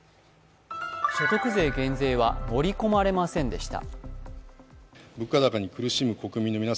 所得税減税は盛り込まれませんでした。